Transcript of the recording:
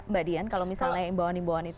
mbak dian kalau misalnya imbuan imbuan itu